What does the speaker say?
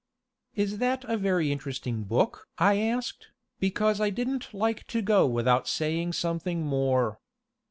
"Is that a very interesting book?" I asked, because I didn't like to go without saying something more.